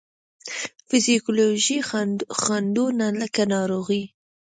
فزیولوجیکي خنډو نه لکه ناروغي،